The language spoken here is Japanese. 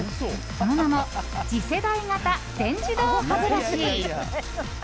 その名も次世代型全自動歯ブラシ。